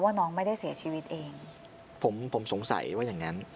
น้องไม่ได้เสียชีวิตเองผมผมสงสัยว่าอย่างงั้น